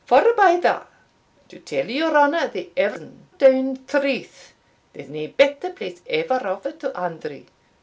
Forbye that, to tell your honour the evendown truth, there's nae better place ever offered to Andrew.